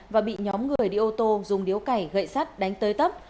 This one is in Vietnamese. và bị nhóm người đi ô tô dùng điếu cải gậy sắt đánh tới tấp